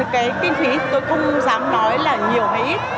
cái kinh phí tôi không dám nói là nhiều hay ít